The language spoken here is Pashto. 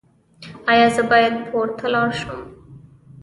ایا زه باید پورته لاړ شم؟